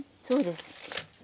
そうです。